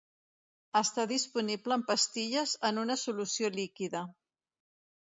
Està disponible en pastilles en una solució líquida.